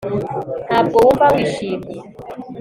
Ntabwo wumva wishimye